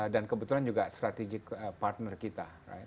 dan kebetulan juga strategic partner kita